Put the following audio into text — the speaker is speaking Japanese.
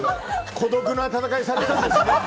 孤独な闘いされてたんですね。